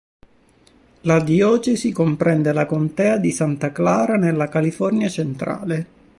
La diocesi comprende la contea di Santa Clara nella California centrale.